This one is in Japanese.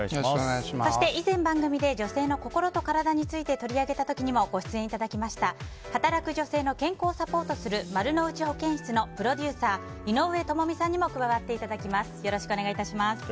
そして、以前番組で女性の心と体について取り上げた時にもご出演いただきました働く女性の健康をサポートするまるのうち保健室のプロデューサー井上友美さんにも加わっていただきます。